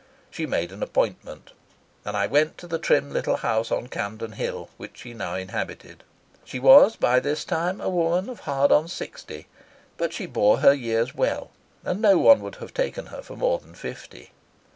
She made an appointment, and I went to the trim little house on Campden Hill which she now inhabited. She was by this time a woman of hard on sixty, but she bore her years well, and no one would have taken her for more than fifty.